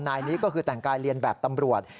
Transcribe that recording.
นายนี้ก็คือแต่งกายเรียนแบบตำรวจ